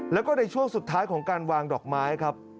แล้วก็ในช่วงสุดท้ายของการวางดอกไม้ครับ